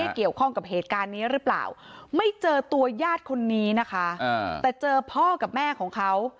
เกี่ยวข้องกับเหตุการณ์นี้หรือเปล่าไม่เจอตัวญาติคนนี้นะคะแต่เจอพ่อกับแม่ของเขา